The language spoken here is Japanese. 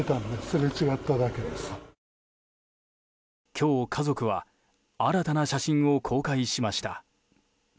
今日、家族は新たな写真を公開しました。